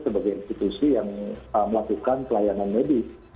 sebagai institusi yang melakukan pelayanan medis